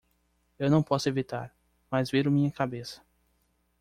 Eu não posso evitar, mas viro minha cabeça.